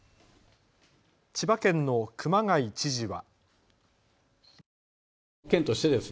千葉県の熊谷知事は。